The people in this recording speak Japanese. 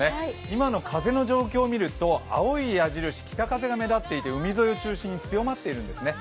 今の風の状況を見ると青い矢印、北風が目立っていて海沿いを中心に強まっているんですね。